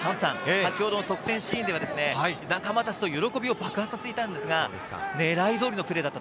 先ほど得点シーンでは、仲間たちと喜びを爆発させていたんですが、狙い通りのプレーだった。